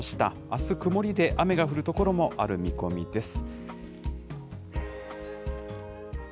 あす、曇りで雨が降る所もある見込みです。